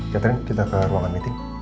kita ke ruangan meeting